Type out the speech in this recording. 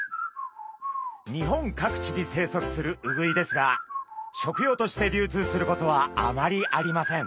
日本各地に生息するウグイですが食用として流通することはあまりありません。